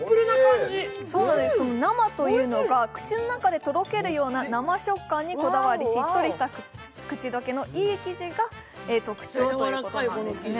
生というのが口の中でとろけるような生食感にこだわりしっとりした口溶けのいい生地が特徴ということなんですよね。